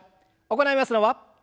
行いますのは。